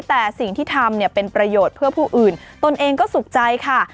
แต่สิ่งที่ทำเนี่ยเป็นประโยชน์เพื่อผู้อื่นตนเองก็สุขใจค่ะ